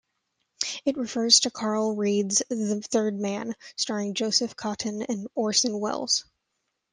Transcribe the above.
It refers to Carol Reed's "The Third Man" starring Joseph Cotten and Orson Welles.